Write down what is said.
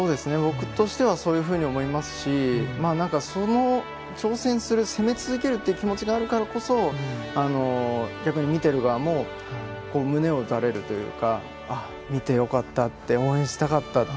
僕としてはそういうふうに思いますし挑戦する、攻め続けるっていう気持ちがあるからこそ逆に見ている側も胸を打たれるというか見てよかった、応援してよかった